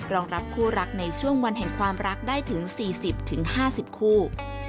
รองรับคู่รักในช่วงวันแห่งความรักได้ถึง๔๐๕๐คู่